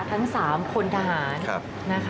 ทั้งสามคนทหารนะครับ